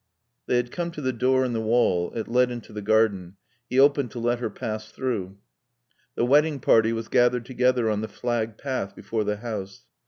They had come to the door in the wall. It led into the garden. He opened to let her pass through. The wedding party was gathered together on the flagged path before the house.